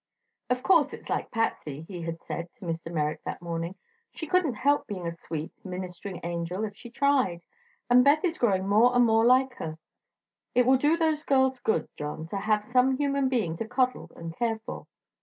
"Of course it's like Patsy," he had said to Mr. Merrick that morning. "She couldn't help being a sweet ministering angel if she tried; and Beth is growing more and more like her. It will do those girls good, John, to have some human being to coddle and care for.